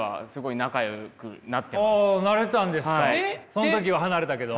その時は離れたけど。